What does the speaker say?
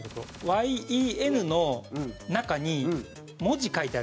「ＹＥＮ」の中に文字書いてあるんで。